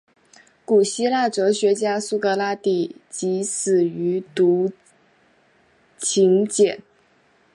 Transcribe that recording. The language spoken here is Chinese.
古希腊哲学家苏格拉底即死于毒芹碱。